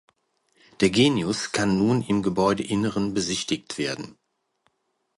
Der Genius kann nun im Gebäudeinneren besichtigt werden.